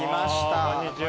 こんにちは。